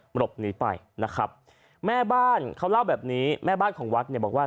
หลบหนีไปนะครับแม่บ้านเขาเล่าแบบนี้แม่บ้านของวัดเนี่ยบอกว่า